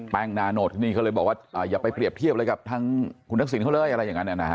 แปลงนาโนส์ทีนี้เขาเลยบอกว่าอย่าไปเปรียบเทียบเลยกับคุณฤทธิ์ลิศิเค้าเลย